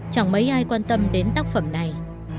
chẳng mấy ai quan tâm đến tác phẩm này